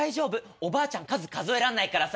おばあちゃん数数えらんないからさ。